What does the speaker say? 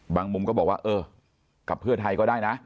มุมก็บอกว่าเออกับเพื่อไทยก็ได้นะ